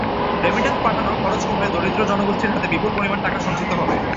Remittance পাঠানোর খরচ কমলে দরিদ্র জনগোষ্ঠীর হাতে বিপুল পরিমাণ টাকা সঞ্চিত হবে।